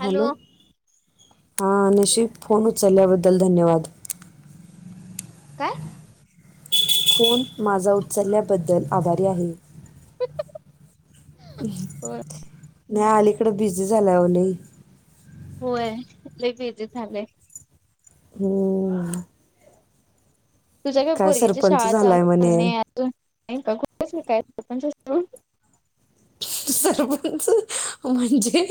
Hello, हा निशी phone ल्याबद्दल धन्यवाद. काय? फोन माझा उचलल्याबद्दल आभारी आहे मी. हो [unintelligible] नाही अलीकड बिझी झालय व लइ. होय लइ बिझी झालय. अम्म तुझ्या काय पोरगीची शाळा झालाय चालू म्हणे नाही अजून का कुठे काय [unintelligible] सरपंच, म्हणजे,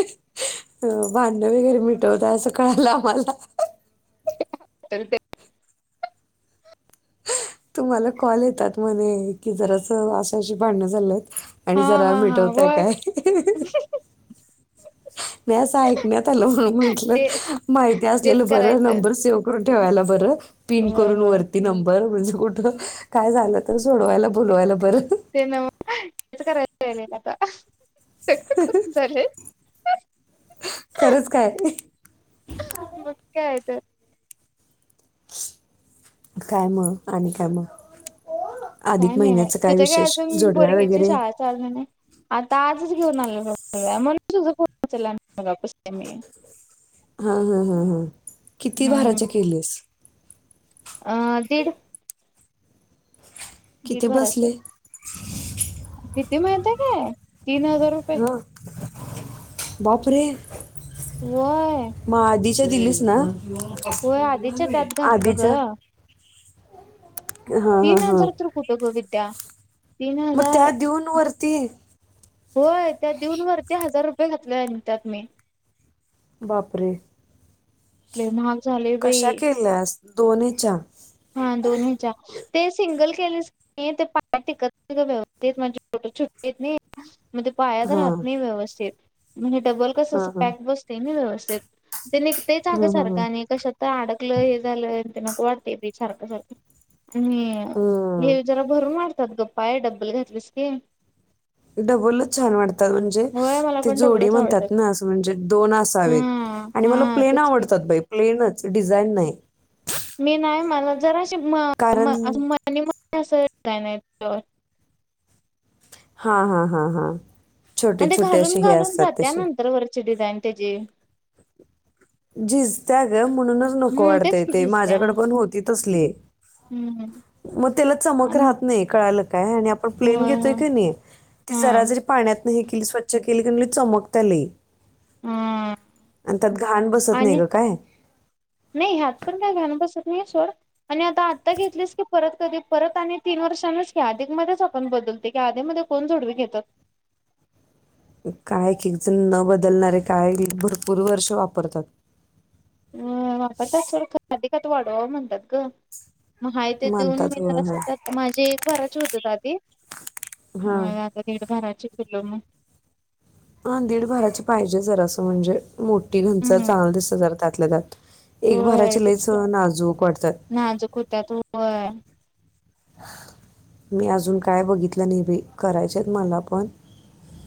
भांण वगैरे मिटवत अस कळाल आम्हाला. [unintelligible] तुम्हाला कॉल येतात म्हणे कि जरास अशाशी भांडण झाल्येत? हा आणि जरा हा हा मिटवताय होय काय? नाइ, अस ऐकण्यात आल म्हणून म्हटल ते माहिती असलेल तेच बर करायचंय नंबर सेव्ह करून ठेवायला बर पिन होय करून होय वरती नंबर म्हज कुठ काय झाल तर सोडवायला बोलवायला बर. [unintelligible] च करायच राले आता. [unintelligible] करून झालय? खरच काय? मग काय तर काय म आणि काय म? काय नाय तुझ्या काडे अजून जोडव्या पोरगीची वगैरे शाळा चालणार नायी आता आज [unintelligible] हा हा हा हा किती भाराचे केलेस? अह दीड. दीड किती भराचे बसले ते माहिताय काय तीन हजार रुपये हा बापरे होय मग आधीच्या दिलीस ना होय आधीच्या त्यात घातलं आधीच ग तीन हजारत कुठ ग विद्या तीन मग हजार त्या देऊन वरती होय त्या देऊन वरती हजार रुपये घातले त्यात मी बापरे लय महाग झाले कशा बाई केल्यास दोनीच्या केले ते पाय टेकत नाय व्यवस्थित माझी बोट छोटी छोटी आहेत म्हणजे पायात हा राहत नाही व्यवस्थित म्हणजे टबल कस हा असं हा पॅक बसते नाही व्यवस्थित [unintelligible] ते निघतेच अग हं, हं, सारखं हं. आणि कशात तर अडकलं हे झालं नको वाटते ते सारखं सारखं. आणि हं. हे जरा भरून वाटय पाय आहे डबल घातलेस की. डबलच छान वाटतात म्हणजे होय मला ते पण जोडी डबलच आवडतात. म्हणतात ना अस म्हणजे दोन हा असावेत आणि मला हा प्लेन तेच की आवडतात बाई प्लेनच. डिझाईन नाहीय. मी नाही मला जरा कारण मनी मनी [inaudible] [unintelligible] हा हा हा हा. छोटे आणिण ते छोटे असे घालून हे घालून असतात जात्या तसे नंतर वरची डिझाईन. त्याची झीजताग. म्हणून नको हम्म तेच वाढय की ते झिजत्या. माझ्याकड पण होती तसली हम्म मग त्याला चमक आणि राहत नाही क काय आपण प्लेन होय घेतोय होय का नाही ते जरा हम्म जरी पाण्यात नाही केली स्वच्छ केली की म्ह चमक त्याले. हम्म अनत्यात घाल आणि नाही ह्यात पण काय घाल बसत नाही सोड आणि आता आता घेतलीस की परत कधी परत आणि तीन वर्षांच की आधी मध्येच आपण बदलते की आधी मध्ये कोण जोडवी घेत काय जण न बदलणारे काय भरपूर वर्ष वापरतात. हम्म आपरतात लोक अधिक त्यात वाडवा म्हणतात ग हाय ते देऊन मानतात मी होय होय ज माझी एक भाराची होते आधी. म हां आता दीड बाराचे हॅलो हा दीडभराचे पाहिजे जर असं म्हणजे. मोठी घनचर चागल दिसत जरा. त्यातलंत्यात हो तेच तर वाटतात नाजूक होत त होय. मी अजून काय बघितलं नाही बाई करायचेत मला पण.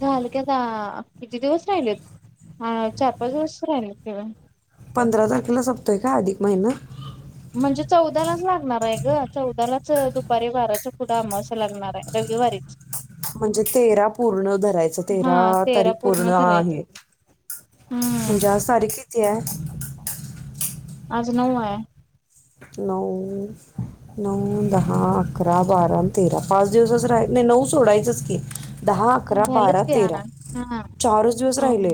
झाल क आता किती दिवस राहिले अ चार पाच दिवस राहिले किहो. पंधरा तारखेला सपतोय का अधिक महिना. म्हणजे चौदालाच लागणार आहे ग चौदालाच दुपारी बाराच्या पुढं आम असं लागणार आहे रविवारीच. म्हणजे तेरा पूर्ण धरायचं हा तेरा तेरा तारीख पूर्ण धरायचं आहे हम्म म्हणजे आज तारीख तेरा आज नऊ आहेय. नऊ नऊ दहा अकरा बारा तेरा पाच दिवसच राहील नाही नऊ सोडायचंच की. दहा अकरा बारा झालेच की हा तेरा हा चारच दिवस राहिले होय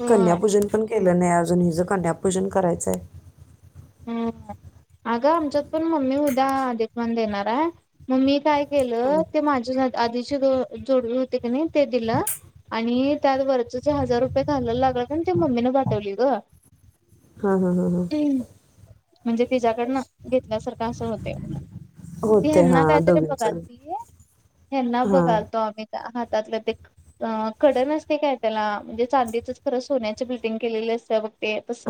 होय कन्यापूजन पण केलं नाही आज अजून हिच कन्यापूजन करायचंय हम अगं आमच्यात पण मम्मी उद्या अधिक पण देणार आहे मम्मी काय गेलं हां ते माझ्या आधीचे जोडवी होते क नाही ते दिलं आणि त्या वरच ज हजार रुपये खायला लागला का ते मम्मीने पाठवली ग हा हा हा हा म्हणजे तिच्या्याकडनं घेतल्यासारखं असं होते ती होते हना हां कायतरी बघाल दोघींचं त हना हां बघालतो आम्ही का त्यातलं ते कडन असते काय त्याला म्हणजे चांदीचच खरं सोन्याची बिल्डिंग केलेली असते ब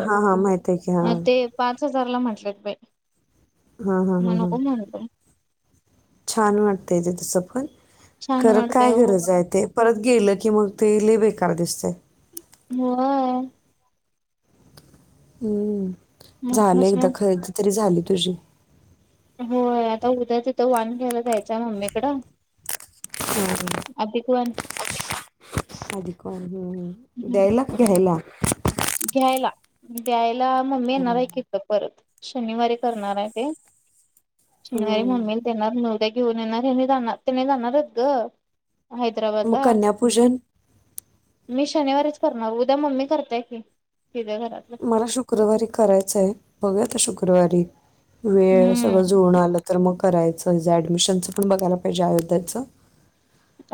हा हा माहित आहे की हा पाच हजारला म्हटलेत बाई हां हां हां हां म्हणकम म्हणत छान वाटतय त त सपन छान ख वाटते काय हो. गरज आहे ते परत गेलं की मग ते इल बेकार दिसते. ह [unintelligible] हम्म. झालं म्हणूनच एकदा मग खरेदी तरी झाली. तुज्य. हो आता उद्या तिथं वान घ्यायला जायचं मम्मीकड अधिक वान. अधिक [unintelligible] हम्म देयला की हम्म हला. घ्यायला द्यायला. मग् मी यांणार ऐकितलं परत. शनिवारी करणार आहे ते. शनिारी हम्म मणमल देणार नळ [unintelligible] घेऊन येणार हेने जाणार त्याने जाणारच ग. हैदराबादला कन्यापूजन. मी शनिवारीच करणार उद्या मम्मी करतेय की. तिच्या घरातलं मला शुक्रवारी करायचंय बघूुक शुक्र फेक्रवारी. वेळ सगळं हम्म जोडून आलं तर मग. करायचं जे ॲडमिशनचं पण बघायला पाहिजे आयोध्याचं.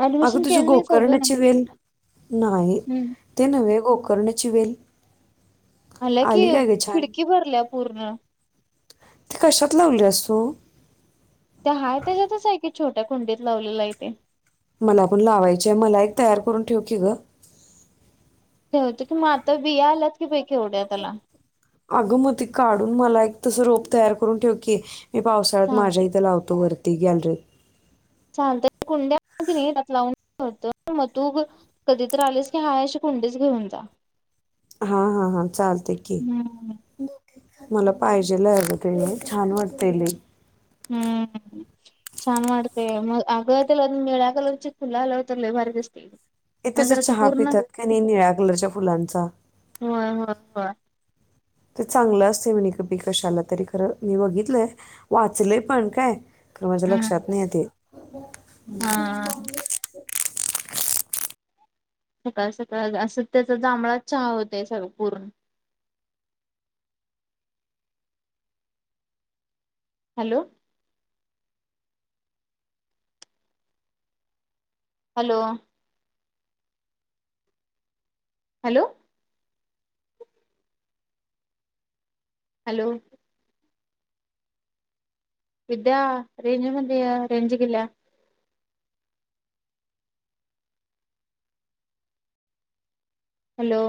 ऍडमिशन अगं तुझी केलं नाहीस अजून गोकर्णाची वेल नाही, हम्म ते नव्हे गो करण्याची वेल. अला की आली काय ग छान खिडकी भरल्या पूर्ण. ती कशात लावलीयास तू ते हाय त्याच्यातच आहे, की छोट्या कुंडीत लावलेला आहे ते. मला पण लावायची आहे मला एक तयार करून ठेव की ग. होत की म आता बिया आलात की बाई केवढ्या त्याला अग म त काढून मला एक तस रोप तयार करून ठेव की. मी पावसाळ्यात माझ्या चालते इथं लावतो वर ते गॅलरीत चालत कुंड्या आणी त्यात लावून ठेवते मग तूग कधी तर आलेस की हाय अशी कुंडीच घेऊन जा. हा हा हा चाल ते की, हम्म. मला पाहिजे लय अग ते छान वाटतय लय. हम्म छान वाटतय म अगं त्याला निळ्या कलर ची फुल आल्यावर भारी दिसतय ग. ये त्याचा चहा पितात का नाही निळ्या कलरच्या फुलांचा. होय होय होय ते चांगलं असते म्हणे कपी कशाला तरी खरं मी बघितलंय वाचलय पण काय? खर माझ्या हम्म लक्षात नाहीये ते. हा. [inaudible] [unintelligible] सकाळ सकाळ असं त्याचा जांभळाच चहा होत स पूर्ण. Hello hello hello hello Vidya range मध्ये य रेंज गेल्या. हॅलो